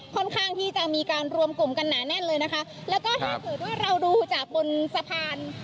ค่อนข้างที่จะมีการรวมกลุ่มกันหนาแน่นเลยนะคะแล้วก็ถ้าเกิดว่าเราดูจากบนสะพาน